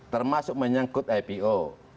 termasuk menyangkut ipo